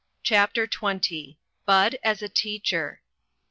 CHAPTER XX. BUD AS A TEACHER.